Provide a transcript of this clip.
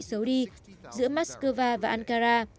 xấu đi giữa moscow và ankara